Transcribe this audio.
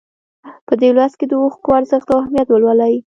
په دې لوست کې د اوښکو ارزښت او اهمیت ولولئ.